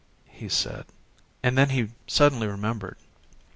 he said. And then he suddenly remembered.